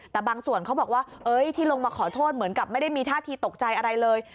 แต่บางส่วนเขาบอกว่าที่ลงมาขอโทษเหมือนกับไม่ได้มีท่าทีตกใจอะไรเลย